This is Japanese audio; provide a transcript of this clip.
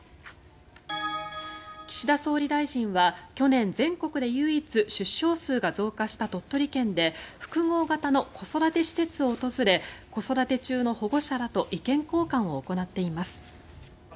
岸田総理大臣は去年全国で唯一出生数が増加した鳥取県で複合型の子育て施設を訪れ子育て中の保護者らと意見交換を行っています。